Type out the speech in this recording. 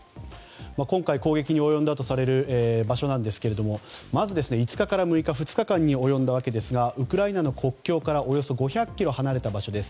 今回、攻撃に及んだとされる場所ですがまず、５日から６日２日間に及んだわけですがウクライナの国境からおよそ５００ｋｍ離れた場所です。